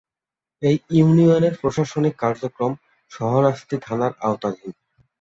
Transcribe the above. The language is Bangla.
এ ইউনিয়নের প্রশাসনিক কার্যক্রম শাহরাস্তি থানার আওতাধীন।